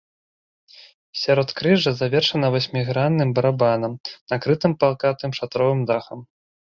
Сяродкрыжжа завершана васьмігранным барабанам, накрытым пакатым шатровым дахам.